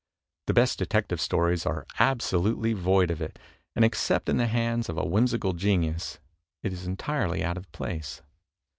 The best Detective Stories are absolutely void of it, and except in the hands of a whimsical genius it is entirely out of place.